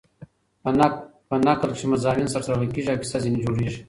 په نکل کښي مضامین سره تړل کېږي او کیسه ځیني جوړېږي.